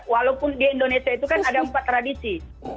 walaupun di indonesia itu kan ada empat tradisi